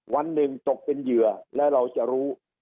วันหนึ่งตกเป็นเหยื่อแล้วเราจะรู้